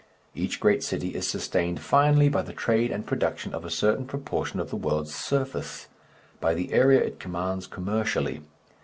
Each great city is sustained finally by the trade and production of a certain proportion of the world's surface by the area it commands commercially.